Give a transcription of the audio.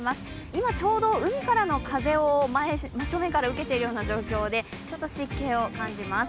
今、ちょうど海からの風を真正面から受けてるような状況でちょっと湿気を感じます。